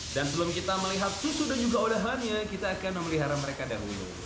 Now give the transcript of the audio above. dan sebelum kita melihat susu dan juga odahannya kita akan memelihara mereka dahulu